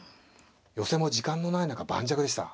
寄せも時間のない中盤石でした。